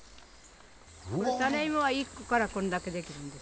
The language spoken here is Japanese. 種イモは１個からこんだけできるんです。